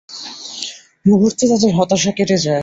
মুহুর্তে তাদের হতাশা কেটে যায়।